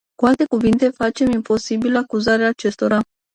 Cu alte cuvinte, face imposibilă acuzarea acestora.